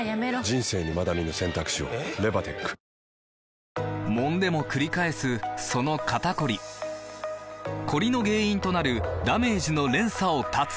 わかるぞもんでもくり返すその肩こりコリの原因となるダメージの連鎖を断つ！